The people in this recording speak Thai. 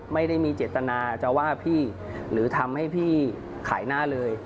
ไม่ได้มีเจตนาจะว่าพี่หรือทำให้พี่ขายหน้าเลย